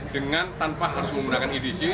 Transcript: dengan tanpa harus menggunakan edc